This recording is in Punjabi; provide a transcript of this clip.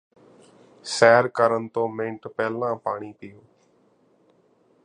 ਸੈਰ ਕਰਨ ਤੋਂ ਮਿੰਟ ਪਹਿਲਾਂ ਪਾਣੀ ਪੀਓ